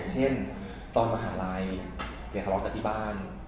เก๋หาเงิน